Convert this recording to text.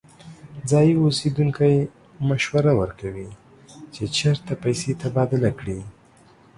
ځایی اوسیدونکی مشوره ورکوي چې چیرته پیسې تبادله کړي.